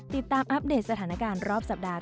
อัปเดตสถานการณ์รอบสัปดาห์